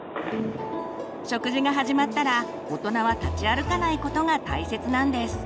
食事が始まったら大人は立ち歩かないことが大切なんです。